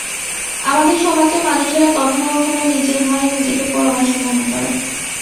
আমাদের সমাজের মানুষেরা কখনো কখনো নিজের ঘরে নিজেকে পরবাসী মনে করে।